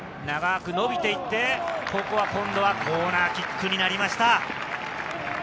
長くのびていって、ここは今度はコーナーキックになりました。